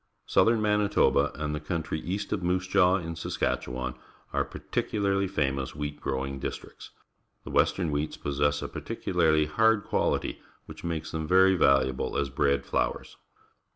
Southern Manitoba and the country east of Moose Jaw in Saskatchewan are particularly famous wheat growing districts. The western wheats possess a peculiarly hard qualit.v which makes them very valuable as bread flours.